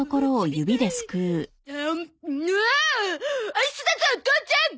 アイスだゾ父ちゃん！